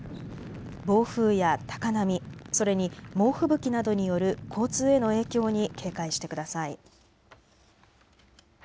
暴風や高波、それに猛吹雪などによる交通への影響に警戒してください。